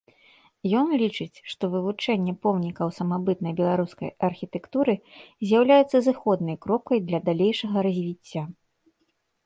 Ён лічыць, што вывучэнне помнікаў самабытнай беларускай архітэктуры з'яўляецца зыходнай кропкай для далейшага развіцця.